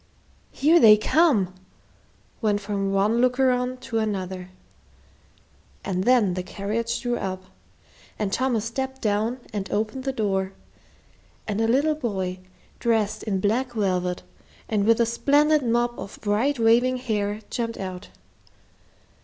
"Here they come!" went from one looker on to another. And then the carriage drew up, and Thomas stepped down and opened the door, and a little boy, dressed in black velvet, and with a splendid mop of bright waving hair, jumped out.